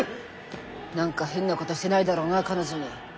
何か変なことしてないだろうな彼女に。